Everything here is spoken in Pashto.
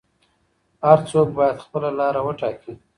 هر څوک باید خپله لاره وټاکي.